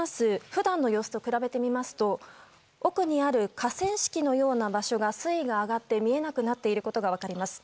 普段の様子と比べてみますと奥にある河川敷のような場所が水位が上がって見えなくなっていることが分かります。